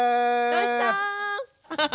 どうした？